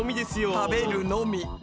食べるのみ。